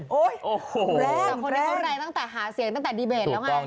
โอ้โหแรงแต่คนนี้เขาแรงตั้งแต่หาเสียงตั้งแต่ดีเบตแล้วไง